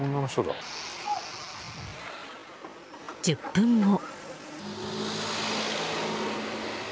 １０分後。